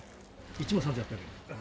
１万３８００円。